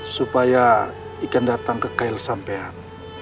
supaya ikan datang ke kail sampean